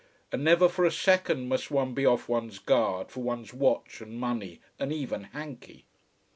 And never for a second must one be off one's guard for one's watch and money and even hanky.